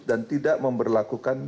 dan tidak memperlakukan